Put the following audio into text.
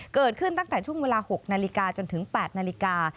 ตั้งแต่ช่วงเวลา๖นาฬิกาจนถึง๘นาฬิกา